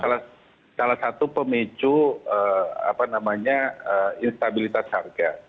itu juga salah satu pemicu apa namanya instabilitas harga